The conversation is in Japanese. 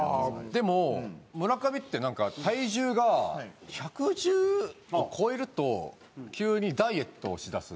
でも村上ってなんか体重が１１０を超えると急にダイエットをしだすというか。